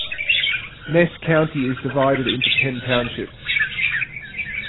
Ness County is divided into ten townships.